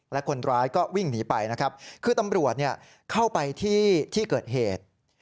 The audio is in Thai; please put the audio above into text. และคนร้ายก็วิ่งหนีไปนะครับคือตำรวจเข้าไปที่ที่เกิดเหตุ